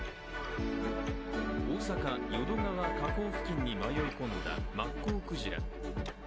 大阪・淀川河口付近に迷い込んだマッコウクジラ。